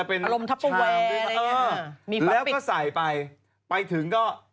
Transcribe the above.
อารมณ์ทัพเปอร์แวร์อะไรอย่างนี้ฮะมีฝักปิ๊กแล้วก็ใส่ไปไปถึงก็